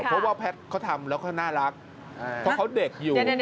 เพราะว่าแพทย์เขาทำแล้วเขาน่ารักเพราะเขาเด็กอยู่